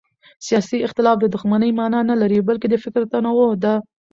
سیاسي اختلاف د دښمنۍ مانا نه لري بلکې د فکر تنوع ده